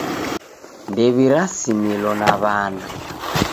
Ndew'irasimilo na w'ana.